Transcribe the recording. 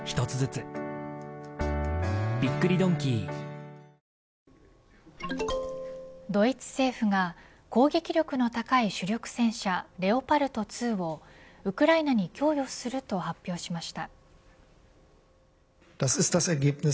ＪＴドイツ政府が攻撃力の高い主力戦車レオパルト２をウクライナに供与すると発表しました。